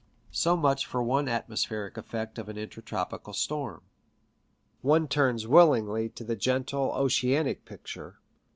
So much for one atmospheric effect of an inter tropical storm. One turns willingly to the gentle oceanic picture.